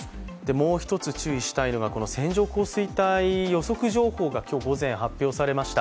もう一つ注意したいのが線状降水帯予測情報が今日午前発表されました。